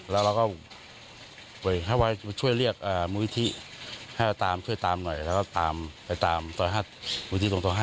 แล้วเราก็ไปช่วยเรียกมือวิธีให้ตามช่วยตามหน่อยแล้วก็ตามไปตามตรง๕๖